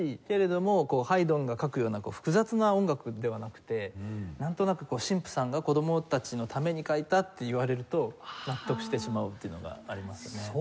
けれどもハイドンが書くような複雑な音楽ではなくてなんとなく神父さんが子どもたちのために書いたって言われると納得してしまうっていうのがありますよね。